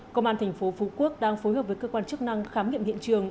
công an thành phố phú quốc đang phối hợp với cơ quan chức năng khám nghiệm hiện trường